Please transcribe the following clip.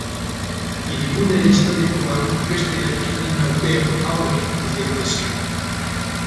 Hirigune historikoan beste eraikinen artean hauek ikus daitezke.